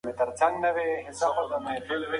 چاپېریال د انسان ګډ کور بلل کېږي.